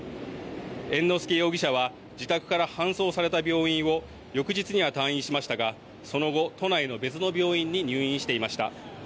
猿之助容疑者は自宅から搬送された病院を翌日には退院しましたがその後、都内の別の病院に入院していました。